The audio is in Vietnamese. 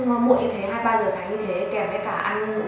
vì là đi ngủ lúc mỗi thế hai ba giờ sáng như thế kèm với cả ăn uống